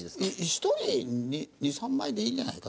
１人２３枚でいいんじゃないかな？